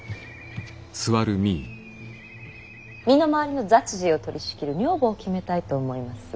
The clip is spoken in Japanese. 身の回りの雑事を取りしきる女房を決めたいと思います。